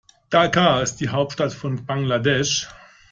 Dhaka ist die Hauptstadt von Bangladesch.